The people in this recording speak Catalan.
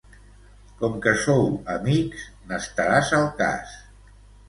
Com que sou amics, n'estaràs al cas.